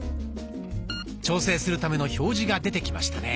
調整するための表示が出てきましたね。